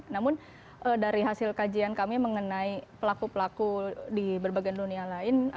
namun dari hasil kajian kami mengenai pelaku pelaku di berbagai dunia lain